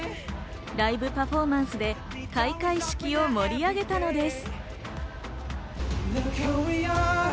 ライブパフォーマンスで開会式を盛り上げたのです。